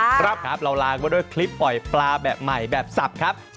ครับครับเราไลน์มาด้วยคลิปปล่อยปลาแบบใหม่แบบสับครับ